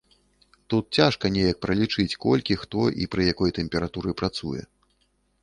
Тут цяжка неяк пралічыць, колькі хто і пры якой тэмпературы працуе.